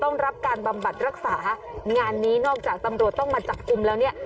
รับการบำบัดรักษางานนี้นอกจากตำรวจต้องมาจับกลุ่มแล้วเนี่ย